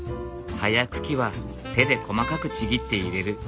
葉や茎は手で細かくちぎって入れる。